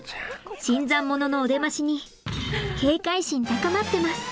新参者のお出ましに警戒心高まってます。